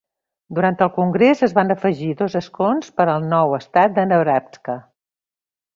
Durant el congrés, es van afegir dos escons per al nou estat de Nebraska.